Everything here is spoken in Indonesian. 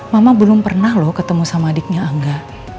mama belum pernah loh ketemu sama adiknya angga